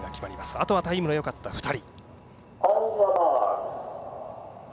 あとはタイムのよかった２人。